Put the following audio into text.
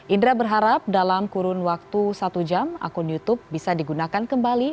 indra berharap dalam kurun waktu satu jam akun youtube bisa digunakan kembali